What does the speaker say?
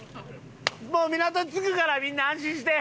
もう港に着くからみんな安心して。